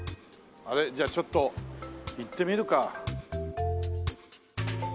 あれじゃあちょっと行ってみるか。